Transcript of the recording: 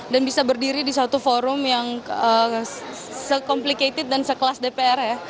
dan bisa berdiri di suatu forum yang se complicated dan se kelas dpr